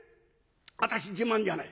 私自慢じゃない。